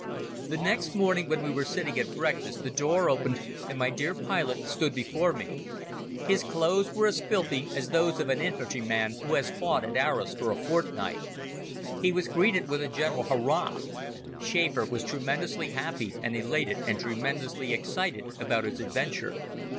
The next morning when we were sitting at breakfast the door opened and my dear pilot stood before me. His clothes were as filthy as those of an infantryman who has fought at Arras for a fortnight. He was greeted with a general Hurrah! Schäfer was tremendously happy and elated and tremendously excited about his adventure.